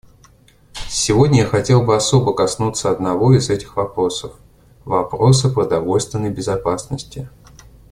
Сегодня я хотел бы особо коснуться одного из этих вопросов, — вопроса продовольственной безопасности.